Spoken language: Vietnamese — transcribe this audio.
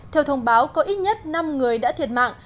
theo thông báo có ít nhất năm người đã thiệt mạng